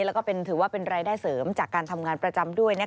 แล้วก็ถือว่าเป็นรายได้เสริมจากการทำงานประจำด้วย